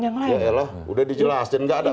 yang lain ya elah udah dijelasin nggak ada